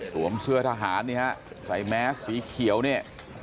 สวมเสื้อทหารนี่ครับใส่แม้สีเขียวนี่